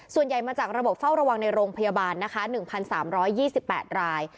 ส่วนใหญ่มาจากระบบเฝ้าระวังในโรงพยาบาลนะคะ๑๓๒๘ราย